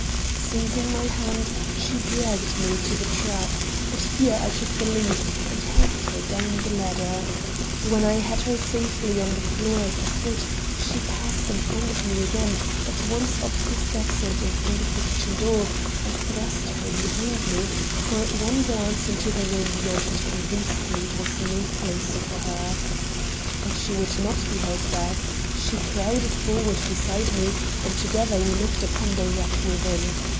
Seizing my hand, she dragged me to the trap; but here I took the lead, and helped her down the ladder. When I had her safely on the floor at the foot, she passed in front of me again; but once up the steps and in front of the kitchen door, I thrust her behind me, for one glance into the room beyond had convinced me it was no place for her. But she would not be held back. She crowded forward beside me, and together we looked upon the wreck within.